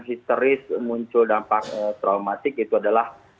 histeris muncul dampak traumatik itu adalah